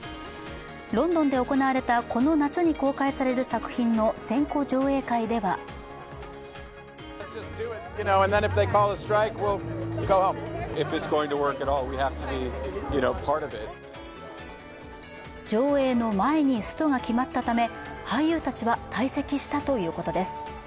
ロンドンで行われた、この夏に公開される作品の先行上映会では上映の前にストが決まったため俳優たちは退席したということです。